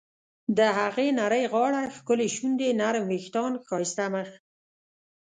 د هغې نرۍ غاړه، ښکلې شونډې ، نرم ویښتان، ښایسته مخ..